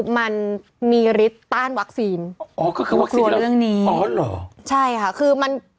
๒มันมีฤทธิ์ต้านวัคซีนกลัวเรื่องนี้